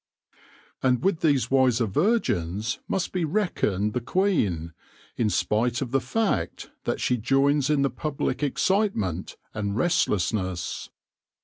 And with these wiser virgins must be reckoned the queen, in spite of the fact that she joins in the public excitement and restlessness.